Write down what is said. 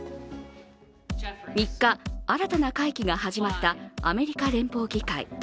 ３日、新たな会期が始まったアメリカ連邦議会。